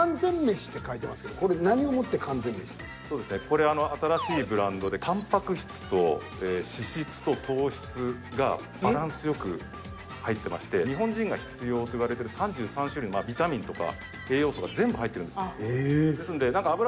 これ新しいブランドでたんぱく質と脂質と糖質がバランスよく入ってまして日本人が必要といわれてる３３種類のビタミンとか栄養素が全部入ってるんです。